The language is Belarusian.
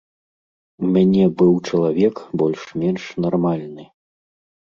У мяне быў чалавек больш-менш нармальны.